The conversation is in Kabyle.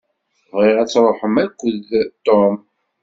Bɣiɣ ad tṛuḥemt akked Tom.